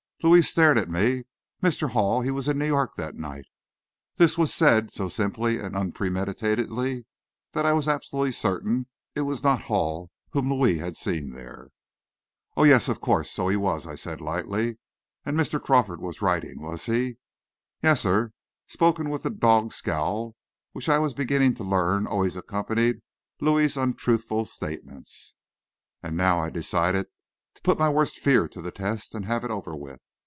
Louis stared at me. "Mr. Hall, he was in New York that night." This was said so simply and unpremeditatedly, that I was absolutely certain it was not Hall whom Louis had seen there. "Oh, yes, of course, so he was," I said lightly; "and Mr. Crawford was writing, was he?" "Yes, sir," spoken with the dogged scowl which I was beginning to learn always accompanied Louis's untruthful statements. And now I decided to put my worst fear to the test and have it over with.